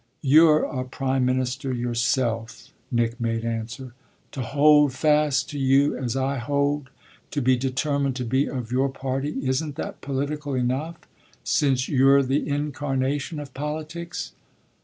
"You're a prime minister yourself," Nick made answer. "To hold fast to you as I hold, to be determined to be of your party isn't that political enough, since you're the incarnation of politics?"